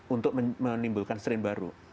untuk menimbulkan sering baru